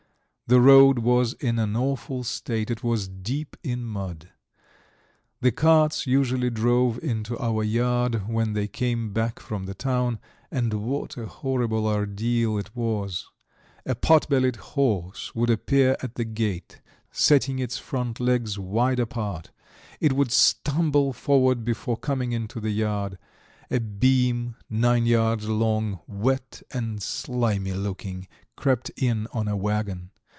The road was in an awful state: it was deep in mud. The carts usually drove into our yard when they came back from the town and what a horrible ordeal it was. A potbellied horse would appear at the gate, setting its front legs wide apart; it would stumble forward before coming into the yard; a beam, nine yards long, wet and slimy looking, crept in on a waggon.